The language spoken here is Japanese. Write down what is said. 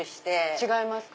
違いますか？